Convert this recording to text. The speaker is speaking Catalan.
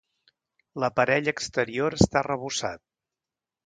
L'aparell exterior està arrebossat.